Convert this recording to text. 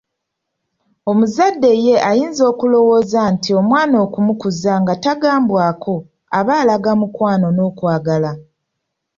Omuzadde ye ayinza okulowooza nti omwana okumukuza nga tagambwako aba alaga mukwano n'okwagala.